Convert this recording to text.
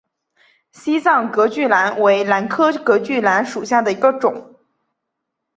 西藏隔距兰为兰科隔距兰属下的一个种。